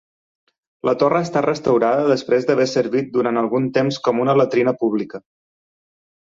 La torre ha estat restaurada després d'haver servit durant algun temps com una latrina pública.